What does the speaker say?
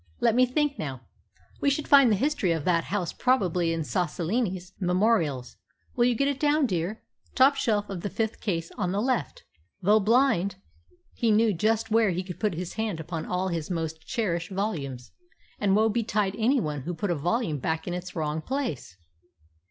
Let me think, now. We should find the history of that house probably in Sassolini's Memorials. Will you get it down, dear? top shelf of the fifth case, on the left." Though blind, he knew just where he could put his hand upon all his most cherished volumes, and woe betide any one who put a volume back in its wrong place!